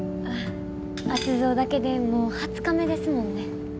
圧造だけでもう２０日目ですもんね。